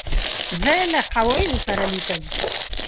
زه له قواعدو سره لیکم.